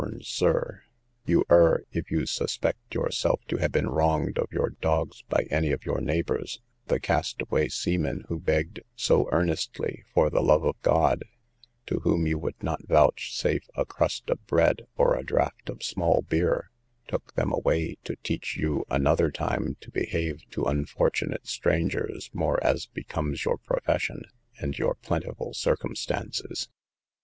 SIR, "You err, if you suspect yourself to have been wronged of your dogs by any of your neighbours; the cast away seaman, who begged so earnestly, for the love of God, to whom you would not vouchsafe a crust of bread, or a draught of small beer, took them away, to teach you another time to behave to unfortunate strangers more as becomes your profession, and your plentiful circumstances."